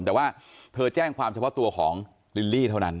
แต่ว่าเธอแจ้งความเฉพาะตัวของลิลลี่เท่านั้น